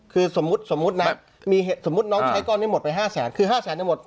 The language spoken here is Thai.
คือสมมติสมมตินะมีเหตุสมมติน้องใช้กรณ์นี้หมดไปห้าแสนคือห้าแสนทั้งหมด